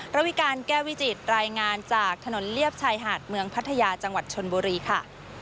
ระวิการแก้วิจิตรายงานจากถนนเลียบชายหาดเมืองพัทยาจังหวัดชนบุรีค่ะ